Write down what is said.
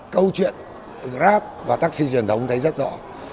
câu chuyện grab và taxi truyền thống thấy rất rõ